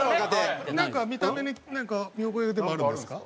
なんか見た目に見覚えでもあるんですか？